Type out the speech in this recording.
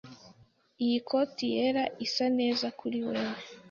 Iyi kote yera izasa neza kuri wewe